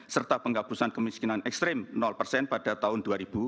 serta penggabusan kemiskinan ekstrim persen pada tahun dua ribu dua puluh empat